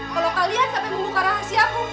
kalau kalian sampai membuka rahasiaku